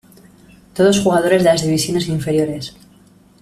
Todos jugadores de las divisiones inferiores.